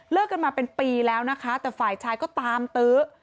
กันมาเป็นปีแล้วนะคะแต่ฝ่ายชายก็ตามตื้อ